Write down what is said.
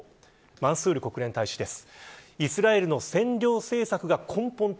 マンスール国連大使です。